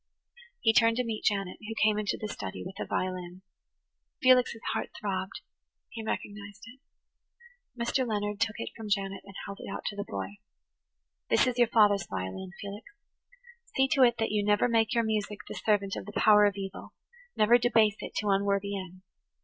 He turned to meet Janet, who came into the study with a violin. Felix's heart throbbed; he recognized it. Mr. Leonard took it from Janet and held it out to the boy. "This is your father's violin, Felix. See to it that you never make your music the servant of the power of evil–never debase it to unworthy ends.